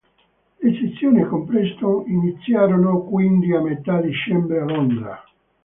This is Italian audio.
Le sessioni con Preston iniziarono quindi a metà dicembre a Londra.